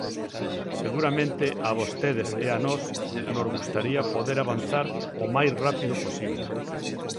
Seguramente a vostedes e a nós nos gustaría poder avanzar o máis rápido posible.